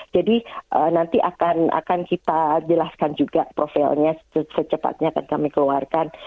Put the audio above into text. jadi nanti akan kita jelaskan juga profilnya secepatnya akan kami keluarkan